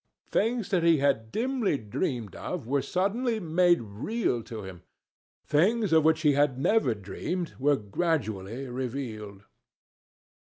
Things that he had dimly dreamed of were suddenly made real to him. Things of which he had never dreamed were gradually revealed.